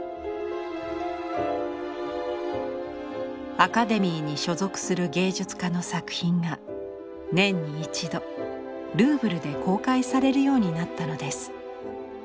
アカデミーに所属する芸術家の作品が年に一度ルーブルで公開されるようになったのです。